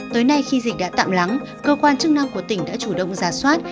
tới nay khi dịch đã tạm lắng cơ quan chức năng của tỉnh đã chủ động giả soát